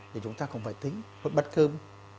thì chúng ta không phải tính không phải bắt cơm